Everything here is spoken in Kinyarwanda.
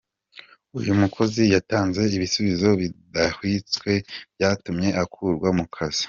Uyu mukozi yatanze ibisubizo bidahitswe byatumye akurwa mu kazi.